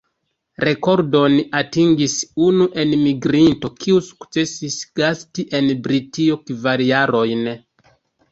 Rekordon atingis unu enmigrinto, kiu sukcesis gasti en Britio kvar jarojn.